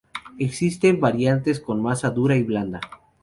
Existen variantes con masa dura y blanda.